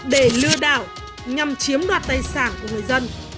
để lừa đảo nhằm chiếm đoạt tài sản của người dân